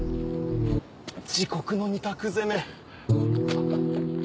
地獄の２択攻め。